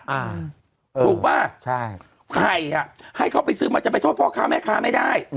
ถูกป่ะใช่ไข่อ่ะให้เขาไปซื้อมันจะไปโทษพ่อค้าแม่ค้าไม่ได้